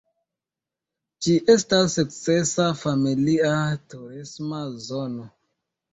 Ĝi estas sukcesa familia turisma zono.